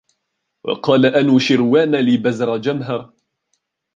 وَقَالَ أَنُوشِرْوَانَ لِبَزَرْجَمْهَرَ